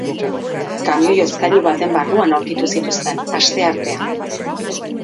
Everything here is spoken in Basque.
Kamioi-hozkailu baten barruan aurkitu zituzten, asteartean.